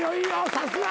さすが。